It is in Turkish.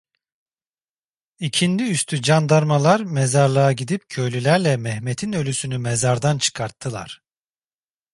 İkindiüstü candarmalar mezarlığa gidip köylülerle Mehmet'in ölüsünü mezardan çıkarttılar.